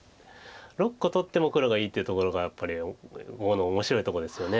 ６個取っても黒がいいというところがやっぱり碁の面白いところですよね。